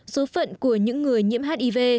số phận của những người nhiễm hiv